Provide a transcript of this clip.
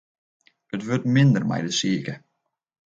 It wurdt minder mei de sike.